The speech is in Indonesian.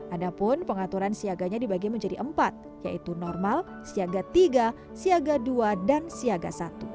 adapun pengaturan siaganya dibagi menjadi empat yaitu normal siaga tiga siaga dua dan siaga satu